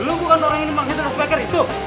lu bukan orang yang memang hit the rock backer itu